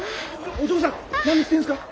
お嬢さん何してるんですか？